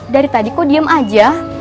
dari tadi kok diem aja